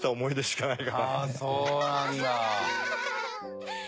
ああそうなんだ。